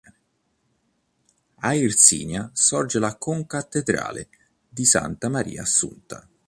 A Irsina sorge la concattedrale di Santa Maria Assunta.